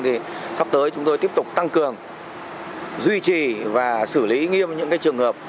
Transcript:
thì sắp tới chúng tôi tiếp tục tăng cường duy trì và xử lý nghiêm những trường hợp